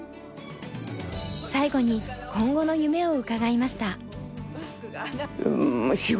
最後に今後の夢を伺いました。